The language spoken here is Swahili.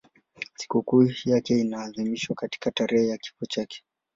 Sikukuu yake inaadhimishwa katika tarehe ya kifo chake.